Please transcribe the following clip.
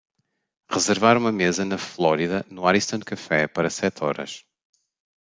reservar uma mesa na Flórida no Ariston Cafe para sete horas